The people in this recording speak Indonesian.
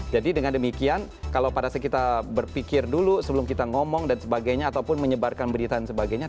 jadi dengan demikian kalau pada saat kita berpikir dulu sebelum kita ngomong dan sebagainya ataupun menyebarkan berita dan sebagainya